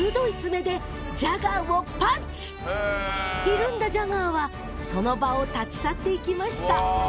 ひるんだジャガーはその場を立ち去っていきました。